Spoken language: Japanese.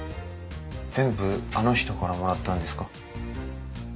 全部あの人からもらったんですか？